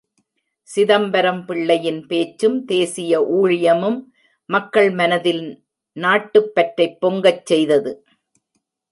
சிதம்பரம் பிள்ளையின் பேச்சும், தேசிய ஊழியமும் மக்கள் மனதில் நாட்டுப் பற்றைப் பொங்கச் செய்தது.